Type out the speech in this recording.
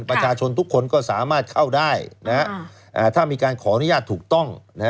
ประชาชนทุกคนก็สามารถเข้าได้ถ้ามีการขออนุญาตถูกต้อง